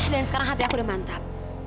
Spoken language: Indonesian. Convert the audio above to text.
dan sekarang hati aku udah mantap